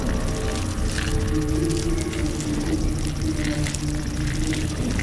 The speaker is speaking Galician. Co que coñecemos hoxe hai que dicir que funciona máis como unha cultura atlántica.